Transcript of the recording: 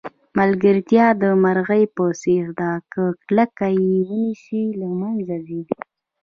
ملګرتیا د مرغۍ په څېر ده که کلکه یې ونیسئ له منځه ځي.